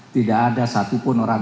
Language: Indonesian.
tidak ada satupun orang